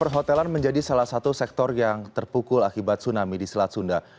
perhotelan menjadi salah satu sektor yang terpukul akibat tsunami di selat sunda